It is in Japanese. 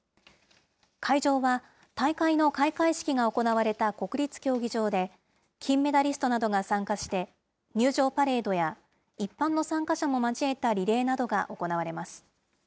会場は大会の開会式が行われた国立競技場で、金メダリストなどが参加して、入場パレードや、一般の参加者も交えたリレーなどが行われます。